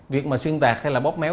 việc mà xuyên đạt hay là bóp méo